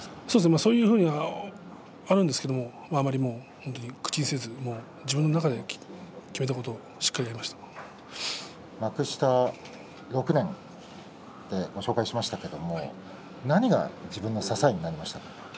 そういうのはあるんですけれどあまり口にせず自分の中で決めたことを幕下６年と紹介しましたけれども何が自分の支えになりましたか？